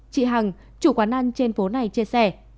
chị hằng chủ quán ăn trên phố này chia sẻ